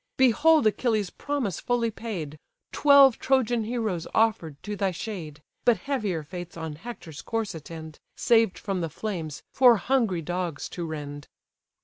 Behold Achilles' promise fully paid, Twelve Trojan heroes offer'd to thy shade; But heavier fates on Hector's corse attend, Saved from the flames, for hungry dogs to rend."